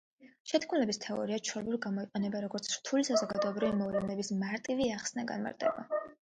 შეთქმულების თეორია, ჩვეულებრივ, გამოიყენება, როგორც რთული საზოგადოებრივი მოვლენების „მარტივი“ ახსნა—განმარტება.